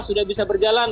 sudah bisa berjalan